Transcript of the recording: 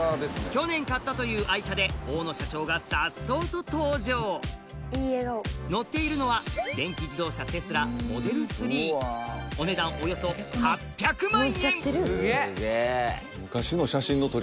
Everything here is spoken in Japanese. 去年買ったという愛車で大野社長が颯爽と登場乗っているのは電気自動車テスラＭｏｄｅｌ３お値段およそ８００万円！